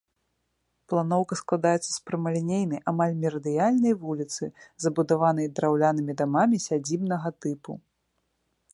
Планоўка складаецца з прамалінейнай амаль мерыдыянальнай вуліцы, забудаванай драўлянымі дамамі сядзібнага тыпу.